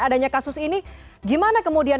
adanya kasus ini gimana kemudian